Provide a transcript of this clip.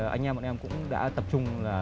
anh em bọn em cũng đã tập trung là